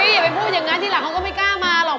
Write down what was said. อย่าไปพูดอย่างนั้นทีหลังเขาก็ไม่กล้ามาหรอก